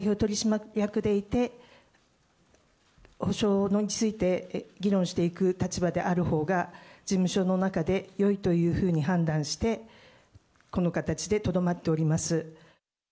私は１００％株主でございますが、代表取締役でいて、補償について議論していく立場であるほうが、事務所の中でよいというふうに判断して、この形でとどまっております。